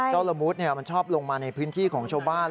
เจ้าละมุดเนี่ยมันชอบลงมาในพื้นที่ของชาวบ้าน